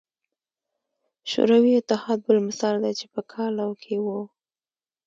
شوروي اتحاد بل مثال دی چې په کال او کې وو.